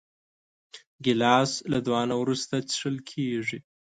ګیلاس له دعا نه وروسته څښل کېږي.